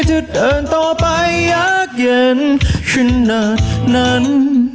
ถ้าเดินต่อไปอยากเย็นขึ้นหนัง